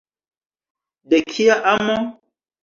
De kia amo?